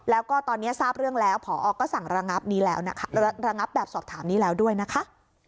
แล้วก็ตอนนี้ทราบเรื่องแล้วผอก็สั่งระงับแบบสอบถามนี้แล้วด้วยนะคะ